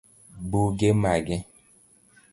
Buge mage?